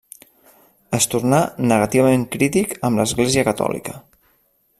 Es tornà negativament crític amb l'Església Catòlica.